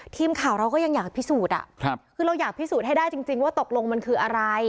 ทีมข่าวเราก็ยังอยากพิสูจน์คือเราอยากพิสูจน์ให้ได้จริงว่าตกลงมันคืออะไร